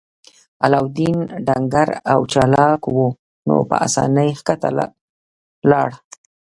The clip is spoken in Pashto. علاوالدین ډنګر او چلاک و نو په اسانۍ ښکته لاړ.